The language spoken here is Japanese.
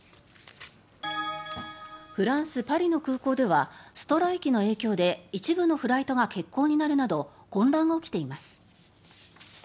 フランス・パリの空港ではストライキの影響で一部のフライトが欠航になるなど混乱が起きています。